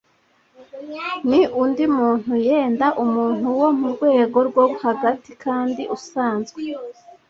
ni undi muntu-- yenda umuntu wo murwego rwo hagati kandi usanzwe,